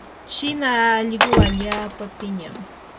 china allquu allaapa piñam.